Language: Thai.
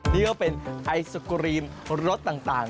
นี่ก็เป็นไอศกรีมรสต่าง